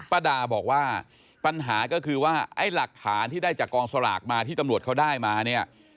ป้าดาบอกว่าปัญหาก็คือว่าไอ้หลักฐานที่ได้จากกองสลากมาที่ตำรวจเขาได้มาเนี่ย